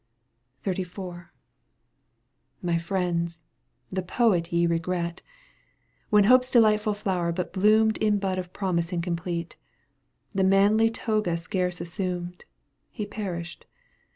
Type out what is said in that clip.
XXXIV. My friends, the poet ye regret ! When hope's delightful flower but bloomed In bud of promise incomplete. The manly toga scarce assumed, He perished.